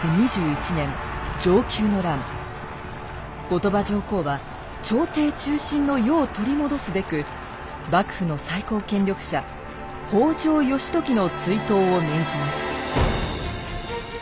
後鳥羽上皇は朝廷中心の世を取り戻すべく幕府の最高権力者北条義時の追討を命じます。